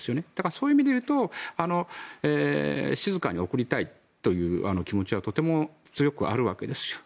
そういう意味でいうと静かに送りたいという気持ちはとても強くあるわけです。